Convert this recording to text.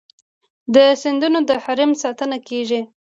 د سیندونو د حریم ساتنه کیږي؟